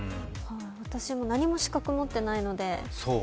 私も何も資格持ってないので。